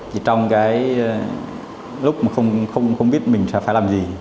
thì trong cái lúc mà không biết mình sẽ phải làm gì